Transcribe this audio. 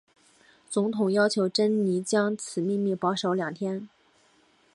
总统要求珍妮将此秘密保守两天。